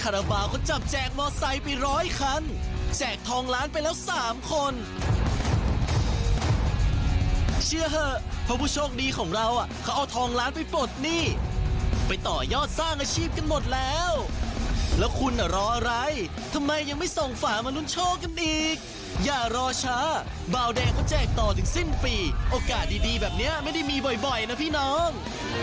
รอช้าเบาแดงก็แจกต่อถึงสิ้นปีโอกาสดีแบบเนี้ยไม่ได้มีบ่อยนะพี่น้อง